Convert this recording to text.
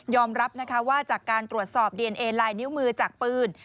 รับนะคะว่าจากการตรวจสอบดีเอนเอลายนิ้วมือจากปืน